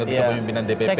kepada pimpinan dpp misalnya